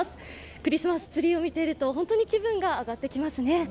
クリスマスツリーを見ていると本当に気分が上がってきますね。